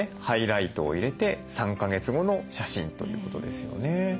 ハイライトを入れて３か月後の写真ということですよね。